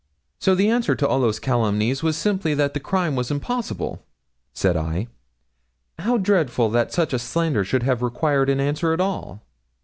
'So the answer to all those calumnies was simply that the crime was impossible,' said I. 'How dreadful that such a slander should have required an answer at all!'